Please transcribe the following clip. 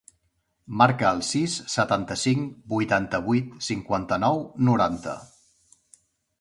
Marca el sis, setanta-cinc, vuitanta-vuit, cinquanta-nou, noranta.